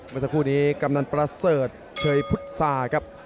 เมื่อสักครู่นี้กำนันประเสริฐเชยพุษาครับ